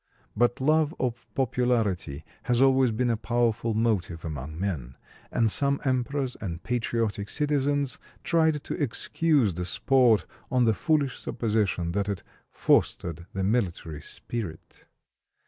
But love of popularity has always been a powerful motive among men; and some emperors and patriotic citizens tried to excuse the sport on the foolish supposition that it fostered the military spirit.